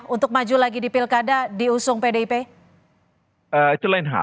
untuk maju lagi di pilkada diusung pdip